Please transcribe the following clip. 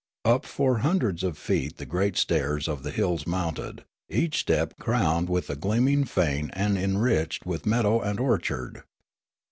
Up for hundreds of feet the great stairs of the hills mounted, each step crowned with a gleaming fane and enriched with meadow and orchard.